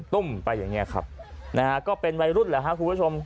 ตุ้มไปอย่างเงี้ยครับนะฮะก็เป็นไวรุสเหรอฮะคุณผู้ชม